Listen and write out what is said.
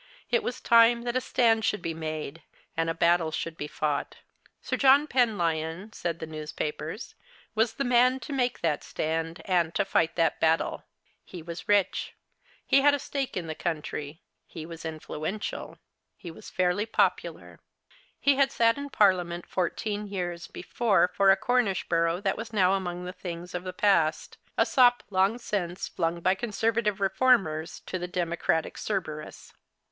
It was time that a stand should be made, and a battle should be fought. Sir John Penlyon, said the newspapers, was the man to make that stand, and to fight that battle. He was rich ; he had a stake in the country ; he was influential ; he was fairly popular. He had sat in Parliament fourteen years before for a Cornish borough that was now among the things of the past, a sop long since flung by Conservative Reformers to the Democratic Cerberus.